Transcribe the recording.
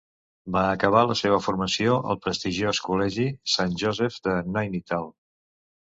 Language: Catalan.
Va acabar la seva formació al prestigiós col·legi Saint Joseph's de Nainital.